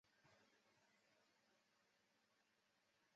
主线任务只会按游戏主故事线顺序出现一般可在任何时刻进行。